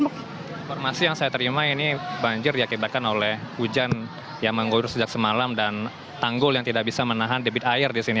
informasi yang saya terima ini banjir diakibatkan oleh hujan yang mengguyur sejak semalam dan tanggul yang tidak bisa menahan debit air di sini